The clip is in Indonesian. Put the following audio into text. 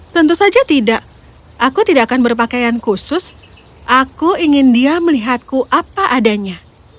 tentu saja tidak aku tidak akan berpakaian khusus aku ingin dia melihatku apa adanya